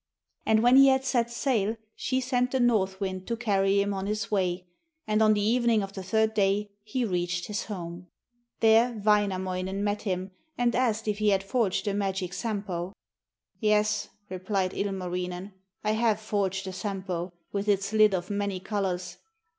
And when he had set sail she sent the north wind to carry him on his way, and on the evening of the third day he reached his home. There Wainamoinen met him and asked if he had forged the magic Sampo. 'Yes,' replied Ilmarinen, 'I have forged the Sampo, with its lid of many colours.